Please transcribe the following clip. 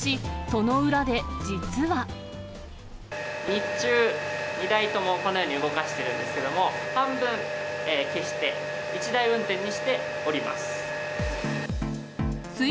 日中、２台ともこのように動かしているんですけども、半分消して、１台運転にしております。